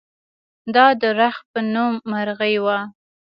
دا د رخ په نوم مرغۍ وه.